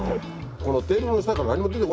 このテーブルの下から何も出てこないのこれ。